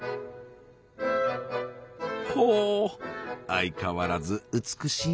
ほ相変わらず美しい。